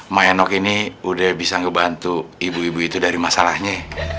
myanok ini udah bisa ngebantu ibu ibu itu dari masalahnya